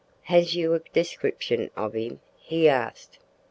"`Has you a description of him?' he asked.